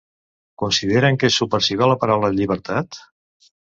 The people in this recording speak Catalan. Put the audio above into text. Consideren que és subversiva la paraula “llibertat”?